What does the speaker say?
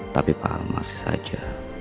tapi pak al masih saja